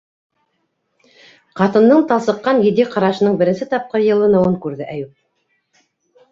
- Ҡатындың талсыҡҡан етди ҡарашының беренсе тапҡыр йылыныуын күрҙе Әйүп.